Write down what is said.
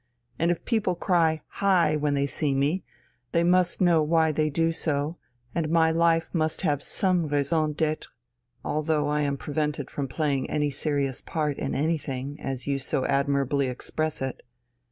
And if people cry 'Hi!' when they see me, they must know why they do so, and my life must have some raison d'être, although I am prevented from playing any serious part in anything, as you so admirably express it.